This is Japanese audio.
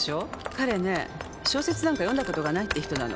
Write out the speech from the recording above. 彼ね小説なんか読んだことがないって人なの。